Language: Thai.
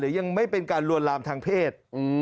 ยังไม่เป็นการลวนลามทางเพศ